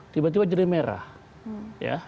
tiba tiba jadi merah